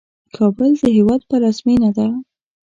کابل د هیواد پلازمینه ده